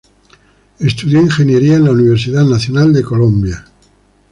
Estudió ingeniería en la Universidad Nacional de Colombia.